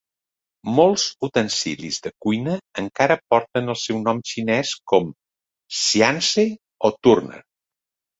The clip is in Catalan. Molts utensilis de cuina encara porten el seu nom xinès, com "sianse" o "turner".